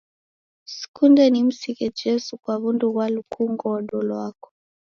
Sikunde nimsighe Jesu kwa w'undu ghwa lukungodo lwako